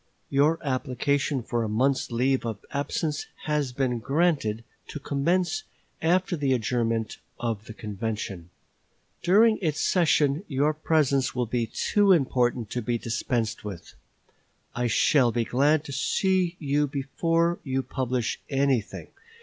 Your application for a month's leave of absence has been granted to commence after the adjournment of the convention. During its session your presence will be too important to be dispensed with. I shall be glad to see you before you publish anything.